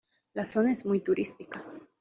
La zona es muy turística.